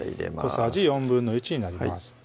小さじ１／４になります